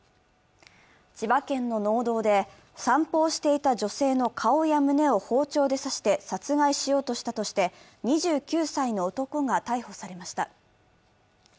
千葉県の農道で、散歩をしていた女性の顔や胸を包丁で刺して殺害しようとしたとして、２９歳の男が逮捕されました。